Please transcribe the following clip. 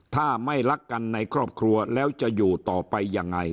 ถ้าไม่รักกันในครอบครัวแล้วจะอยู่ต่อไปยังไง